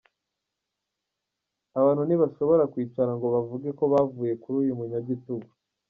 Abantu ntibashobora kwicara ngo bavuge ko bavuye kuri uyu munyagitugu